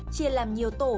chia làm nhiều tổ